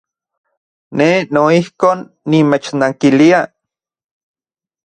Ne noijkon nimechnankilia.